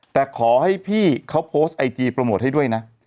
แต่ขอให้พี่เขาโพสต์ไอจีโปรโมทให้ด้วยนะ